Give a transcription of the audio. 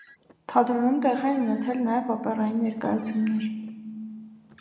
Թատրոնում տեղի են ունեցել նաև օպերային ներկայացումներ։